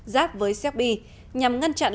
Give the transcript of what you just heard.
giáp với serbia nhằm ngăn chặn